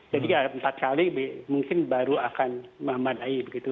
jadi empat kali mungkin baru akan memadai